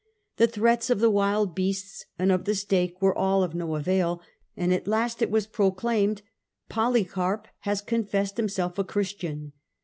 The threats of the wild beasts and of the stake were all of no avail, and at last it was proclaimed ' Polycarp has confessed himself a Christian.